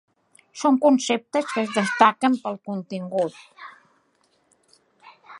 Són conceptes que es destaquen pel contingut.